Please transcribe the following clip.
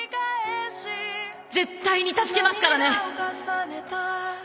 絶対に助けますからね